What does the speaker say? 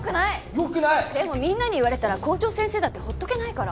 でもみんなに言われたら校長先生だって放っとけないから。